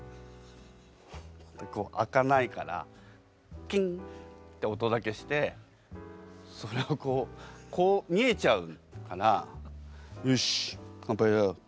こう開かないからキンって音だけしてそれをこう見えちゃうから「よしっ乾杯だ」とかって。